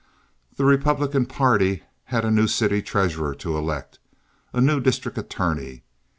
The Republican party had a new city treasurer to elect, a new district attorney.